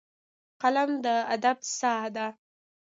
قلم د ادب ساه ده